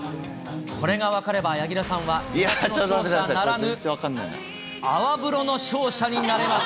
これが分かれば柳楽さんは、二月の勝者ならぬ、泡風呂の勝者になれます。